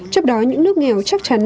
trong đó những nước nghèo chắc chắn